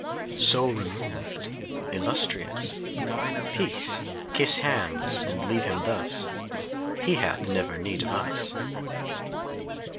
II. So removed illustrious Peace! kiss hands, and leave him thus He hath never need of us!